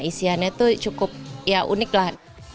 itu cukup ya unik lah